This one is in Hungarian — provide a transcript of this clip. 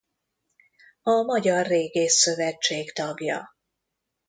A Magyar Régész Szövetség tagja.